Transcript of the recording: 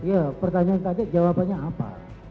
ya pertanyaan tadi jawabannya apa